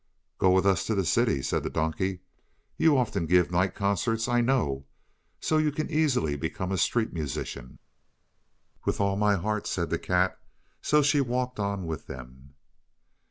"Go with us to the city," said the donkey. "You often give night concerts, I know, so you can easily become a street musician." "With all my heart," said the cat, so she walked on with them.